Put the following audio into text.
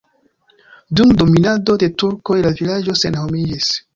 Dum dominado de turkoj la vilaĝo senhomiĝis.